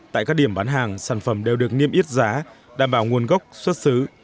tại các điểm bán hàng sản phẩm đều được niêm yết giá đảm bảo nguồn gốc xuất xứ